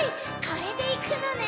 これでいくのね？